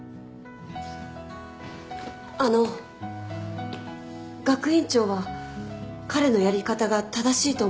あの学院長は彼のやり方が正しいと思っているんですか？